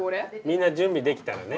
みんな準備できたらね。